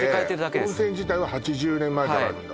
温泉自体は８０年前からあるんだはい